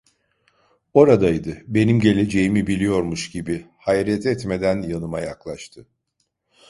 Oradaydı, benim geleceğimi biliyormuş gibi, hayret etmeden yanıma yaklaştı.